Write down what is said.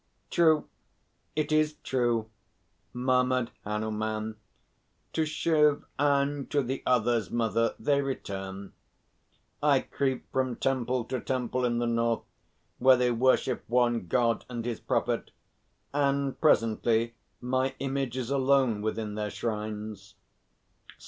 "True. It is true," murmured Hanuman. "To Shiv and to the others, mother, they return. I creep from temple to temple in the North, where they worship one God and His Prophet; and presently my image is alone within their shrines."